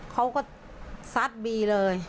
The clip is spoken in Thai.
เขาก็ซัดบีเลย